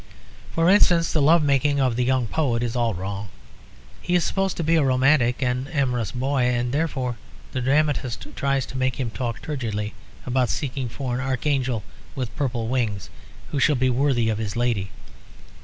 For instance, the love making of the young poet is all wrong. He is supposed to be a romantic and amorous boy; and therefore the dramatist tries to make him talk turgidly, about seeking for "an archangel with purple wings" who shall be worthy of his lady.